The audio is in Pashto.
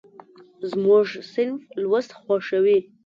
زموږ صنف لوست خوښوي.